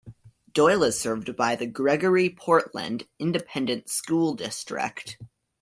Doyle is served by the Gregory-Portland Independent School District.